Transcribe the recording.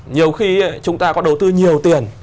nhiều khi chúng ta có đầu tư nhiều tiền